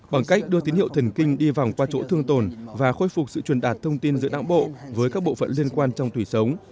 bằng cách đưa tín hiệu thần kinh đi vòng qua chỗ thương tồn và khôi phục sự truyền đạt thông tin giữa đảng bộ với các bộ phận liên quan trong thủy sống